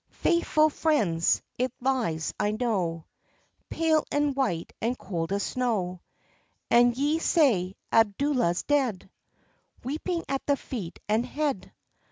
_ Faithful friends! It lies, I know, Pale and white and cold as snow; And ye say, "Abdallah's dead!" Weeping at the feet and head.